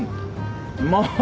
うまっ。